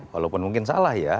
walaupun mungkin salah ya